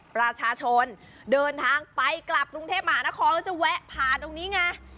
ประชาชนเดินทางไปกลับกรุงเทพมหานครแล้วจะแวะผ่านตรงนี้ไง